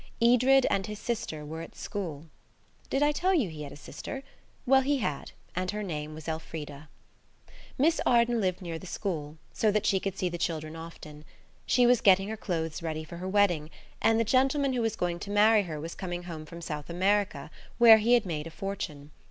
Edred and his sister were at school. (Did I tell you that he had a sister? Well, he had, and her name was Elfrida.) Miss Arden lived near the school, so that she could see the children often. She was getting her clothes ready for her wedding, and the gentleman who was going to marry her was coming home from South America, where he had made a fortune.